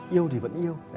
yêu thì vẫn yêu